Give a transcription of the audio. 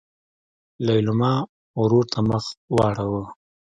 لېلما ورور ته مخ واړوه.